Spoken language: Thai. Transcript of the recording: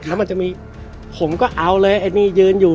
แล้วมันจะมีผมก็เอาเลย